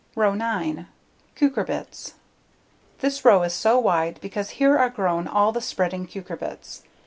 Row 9: Cucurbits This row is so wide because here are grown all the spreading cucurbits.